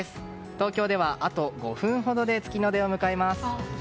東京ではあと５分ほどで月の出を迎えます。